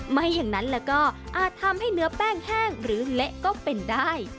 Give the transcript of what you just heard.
ไม่อย่างนั้นแล้วก็อาจทำให้เนื้อแป้งแห้งหรือเละก็เป็นได้